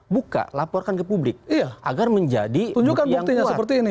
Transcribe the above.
buka laporkan ke publik agar menjadi bukti yang kuat